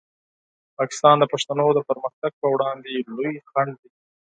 پاکستان د پښتنو د پرمختګ په وړاندې لوی خنډ دی.